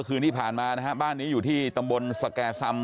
คืนที่ผ่านมานะฮะบ้านนี้อยู่ที่ตำบลสแก่ซำ